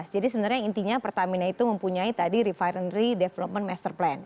jadi sebenarnya intinya pertamina itu mempunyai tadi refinery development master plan